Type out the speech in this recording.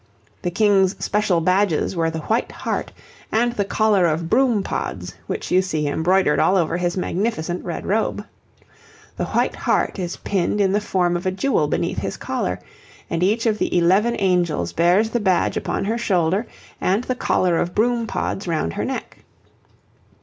The King's special badges were the White Hart and the Collar of Broom pods which you see embroidered all over his magnificent red robe. The White Hart is pinned in the form of a jewel beneath his collar, and each of the eleven angels bears the badge upon her shoulder and the Collar of Broom pods round her neck.